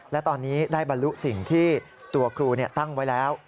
และตอนนี้ได้บรรลุสิ่งที่ตัวครูตั้งไว้แล้ว